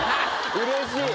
うれしい。